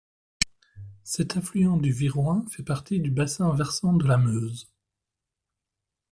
Cet affluent du Viroin fait partie du bassin versant de la Meuse.